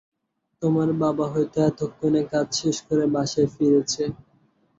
তোমার বাবা হয়তো এতক্ষণে কাজ শেষ করে বাসায় ফিরেছে।